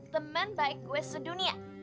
temen baik gue sedunia